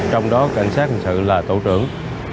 trong đó cảnh sát hành sự là tổ trưởng